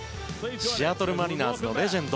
シアトル・マリナーズのレジェンド